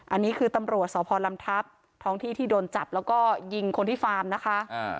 อันนี้คือตำรวจสพลำทัพท้องที่ที่โดนจับแล้วก็ยิงคนที่ฟาร์มนะคะ